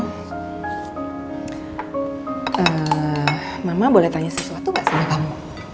eh mama boleh tanya sesuatu gak sama kamu